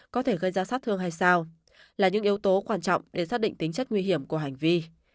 có thể gây ra sát thương hay sao là những yếu tố quan trọng để xác định tính chất nguy hiểm của hành vi